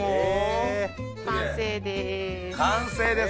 完成です。